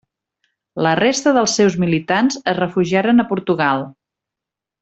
La resta dels seus militants es refugiaren a Portugal.